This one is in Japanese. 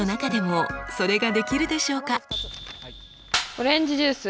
オレンジジュース。